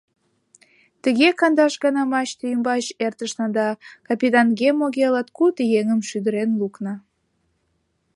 Тыге кандаш гана мачте ӱмбач эртышна да капитанге-моге латкуд еҥым шӱдырен лукна.